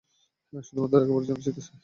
শুধুমাত্র একবারের জন্য জিততে চাই।